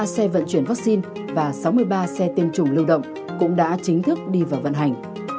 sáu mươi ba xe vận chuyển vắc xin và sáu mươi ba xe tiêm chủng lưu động cũng đã chính thức đi vào vận hành